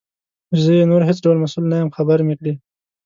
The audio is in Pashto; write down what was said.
زه یې نور هیڅ ډول مسؤل نه یم خبر مي کړې.